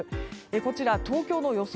こちら、東京の予想